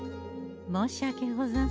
申し訳ござんせん。